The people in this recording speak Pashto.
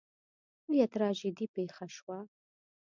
لویه تراژیدي پېښه شوه.